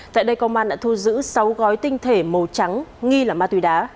tại đây công an đã thu giữ sáu gói tinh thể màu trắng nghi là ma túy đá